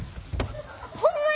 ほんまや！